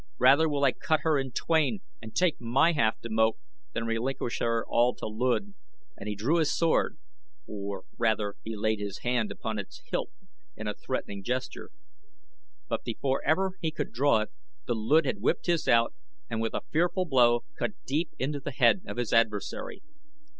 "Rather will I cut her in twain and take my half to Moak than to relinquish her all to Luud," and he drew his sword, or rather he laid his hand upon its hilt in a threatening gesture; but before ever he could draw it the Luud had whipped his out and with a fearful blow cut deep into the head of his adversary.